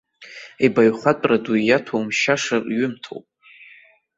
Ибаҩхатәра ду иаҭәаумшьаша ҩымҭоуп.